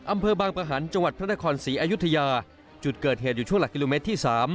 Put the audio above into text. อำเภอบางประหันต์จังหวัดพระนครศรีอยุธยาจุดเกิดเหตุอยู่ช่วงหลักกิโลเมตรที่๓